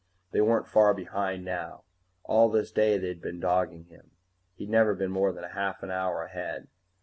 They weren't far behind now. All this day they had been dogging him; he had never been more than half an hour ahead.